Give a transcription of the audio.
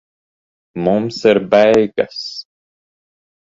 Mums ir beigas.